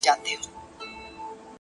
څومره ښې لګي